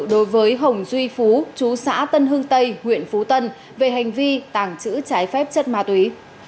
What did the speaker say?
đối với hồng duy phú chú xã tân hưng tây huyện phú tân về hành vi tàng trữ trái phép chất ma túy